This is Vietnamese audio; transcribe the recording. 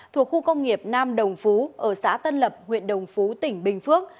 thuộc khu công nghiệp nam đồng phú ở xã tân lập huyện đồng phú tỉnh bình phước